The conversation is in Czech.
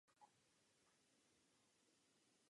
Komunistickou stranu Řecka neznepokojuje otázka názvu.